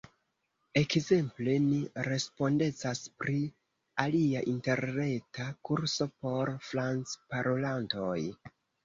Ekzemple, ni respondecas pri alia interreta kurso por francparolantoj.